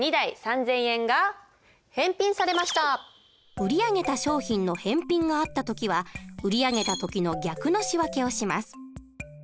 売り上げた商品の返品があった時は売り上げた時の逆の仕訳をします。